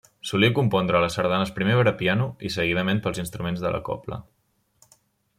Solia compondre les sardanes primer per a piano i seguidament pels instruments de la cobla.